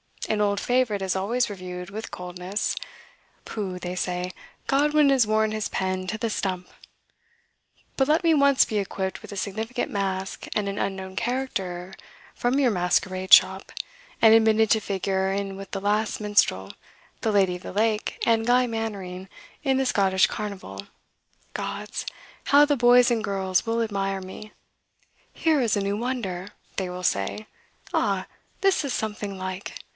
An old favourite is always reviewed with coldness. ... 'Pooh,' they say; 'Godwin has worn his pen to the stump!' ... But let me once be equipped with a significant mask and an unknown character from your masquerade shop, and admitted to figure in with the 'Last Minstrel,' the 'Lady of the Lake,' and 'Guy Mannering' in the Scottish carnival, Gods! how the boys and girls will admire me! 'Here is a new wonder!' they will say. 'Ah, this is something like!